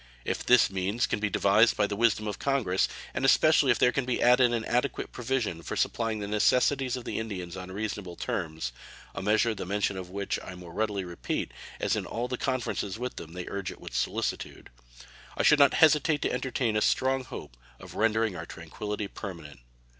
If these means can be devised by the wisdom of Congress, and especially if there can be added an adequate provision for supplying the necessities of the Indians on reasonable terms (a measure the mention of which I the more readily repeat, as in all the conferences with them they urge it with solicitude), I should not hesitate to entertain a strong hope of rendering our tranquillity permanent.